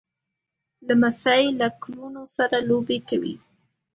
لمسی له ګلونو سره لوبې کوي.